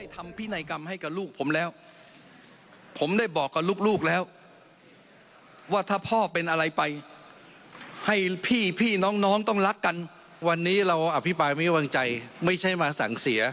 ที่หน้าวัดพระแก้วเราเตรียมกระสุนไปคนละนัดเลยต่างคนต่างแรกยิงกันดูเลย